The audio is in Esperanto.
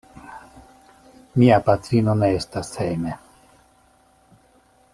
Mia patrino ne estas hejme.